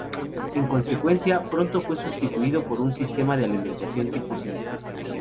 En consecuencia, pronto fue sustituido por un sistema de alimentación tipo cinta.